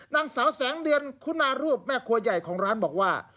นางสาวแสงเดือนคุณารูปแม่ครัวใหญ่ของร้านบอกว่า